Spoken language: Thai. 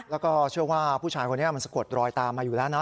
แล้วก็เชื่อว่าผู้ชายคนนี้มันสะกดรอยตามมาอยู่แล้วนะ